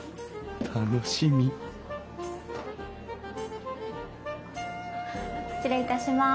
楽しみ失礼いたします。